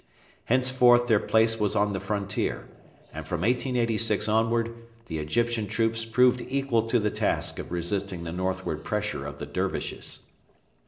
Henceforth their place was on the frontier, and from 1886 onward the Egyptian troops proved equal to the task of resisting the northward pressure of the Dervishes.